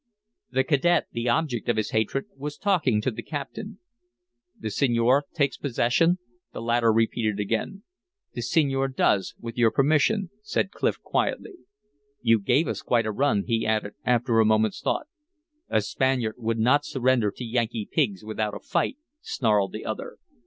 The cadet, the object of his hatred, was talking to the captain. "The senor takes possession," the latter repeated again. "The senor does, with your permission," said Clif, quietly. "You gave us quite a run," he added, after a moment's thought. "A Spaniard would not surrender to Yankee pigs without a fight," snarled the other.